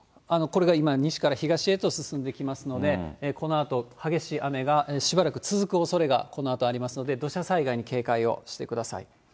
これが今、西から東へと進んできますので、このあと激しい雨がしばらく続くおそれが、このあとありますので、土砂災害に警戒をしてください。